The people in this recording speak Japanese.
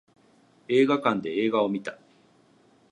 映画館で映画を見た